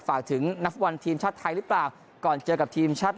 ฝากถึงนักฟุตบอลทีมชาติไทยหรือเปล่าก่อนเจอกับทีมชาติ